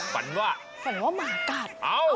ฝันว่าฝันว่าหมากัด